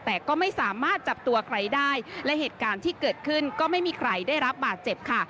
แต่ก็ไม่สามารถจับตัวใครได้และเหตุการณ์ที่เกิดขึ้นก็ไม่มีใครได้รับบาดเจ็บค่ะ